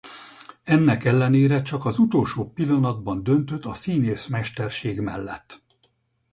Ennek ellenére csak az utolsó pillanatban döntött a színészmesterség mellett.